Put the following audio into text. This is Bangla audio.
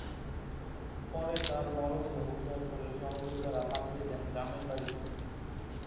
পরে তার মরদেহ উদ্ধার করে সহযোদ্ধারা পাঠিয়ে দেন গ্রামের বাড়িতে।